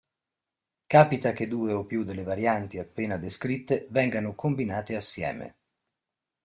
Capita che due o più delle varianti appena descritte vengano combinate assieme.